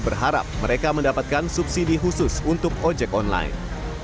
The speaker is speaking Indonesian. berharap mereka mendapatkan subsidi khusus untuk ojek online